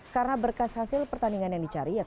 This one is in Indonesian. karena berkas hasil pertandingan yang dicari